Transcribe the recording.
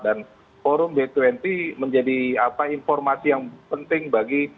dan forum b dua puluh menjadi informasi yang penting bagi